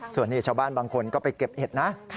ส่วนนี้ชาวบ้านบางคนก็ไปเก็บเห็ดนะ